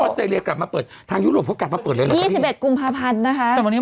ออสเตรียกลับมาเปิดทางยุคเกินกลับมาเปิด